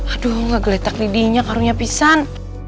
aduh nggak geletak lidinya karunya pisan